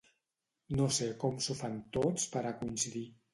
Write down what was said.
No sé com s'ho fan tots per a coincidir.